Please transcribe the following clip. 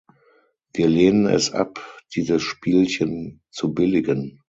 Wir lehnen es ab, dieses Spielchen zu billigen.